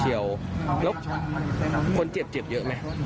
หรือหลุกคนเจียบเจียบเยอะไหม